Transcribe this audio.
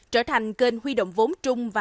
trở thành kênh huy động vốn trung và dài hạn